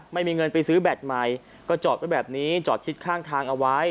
ไม่มีเงินไปซื้อแบตใหม่ก็จอดไว้แบบนี้จอดชิดข้างทางเอาไว้